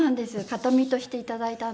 形見としていただいたんです。